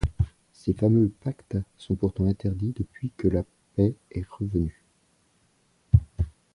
Ces fameux pactes sont pourtant interdits depuis que la paix est revenue...